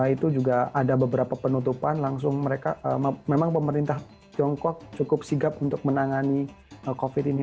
itu juga ada beberapa penutupan langsung mereka memang pemerintah tiongkok cukup sigap untuk menangani covid ini